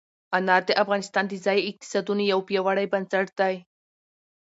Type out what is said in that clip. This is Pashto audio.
انار د افغانستان د ځایي اقتصادونو یو پیاوړی بنسټ دی.